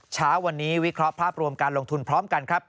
เช้าวันนี้วิเคราะห์ภาพรวมการลงทุนพร้อมกันครับ